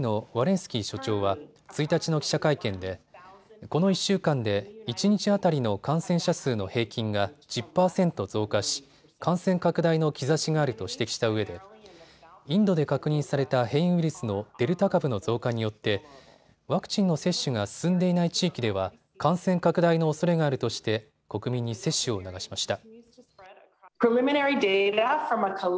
スキー所長は１日の記者会見でこの１週間で一日当たりの感染者数の平均が１０％増加し感染拡大の兆しがあると指摘したうえでインドで確認された変異ウイルスのデルタ株の増加によってワクチンの接種が進んでいない地域では感染拡大のおそれがあるとして国民に接種を促しました。